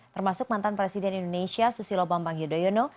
termasuk mantan presiden indonesia susilo bambang yudhoyono